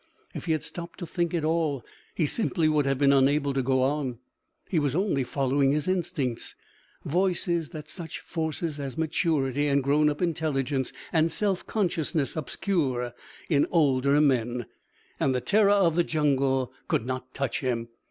If he had stopped to think at all he simply would have been unable to go on. He was only following his instincts, voices that such forces as maturity and grown up intelligence and self consciousness obscure in older men and the terror of the jungle could not touch him.